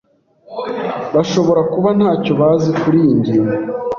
Bashobora kuba ntacyo bazi kuriyi ngingo.